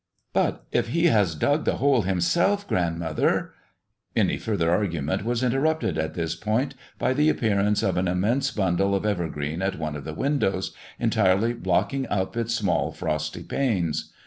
"But if he has dug the hole himself, grandmother" Any further argument was interrupted at this point by the appearance of an immense bundle of evergreen at one of the windows, entirely blocking up its small, frosty panes.